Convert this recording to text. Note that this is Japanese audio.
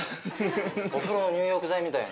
お風呂の入浴剤みたいな。